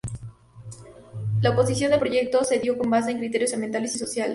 La oposición al proyecto se dio con base en criterios ambientales y sociales.